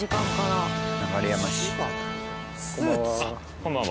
こんばんは。